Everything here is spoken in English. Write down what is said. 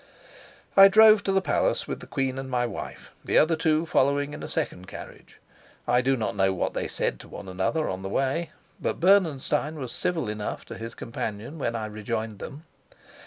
I drove to the palace with the queen and my wife, the other two following in a second carriage. I do not know what they said to one another on the way, but Bernenstein was civil enough to his companion when I rejoined them.